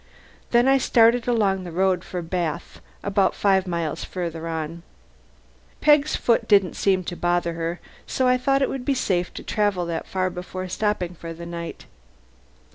Then I started along the road for Bath about five miles farther on. Peg's foot didn't seem to bother her so I thought it would be safe to travel that far before stopping for the night.